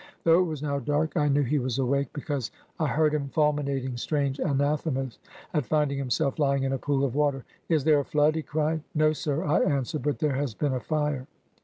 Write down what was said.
Though it was now dark, I knew he was awake; because I heard him fulminating strange anathemas at finding himself Ijring in a pool of water. 'Is there a flood?' he cried. 'No, sir,' I answered, 'but there has been a fire.'